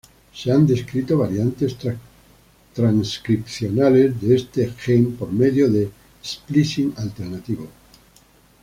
Se han descrito variantes transcripcionales de este gen por medio de "splicing alternativo".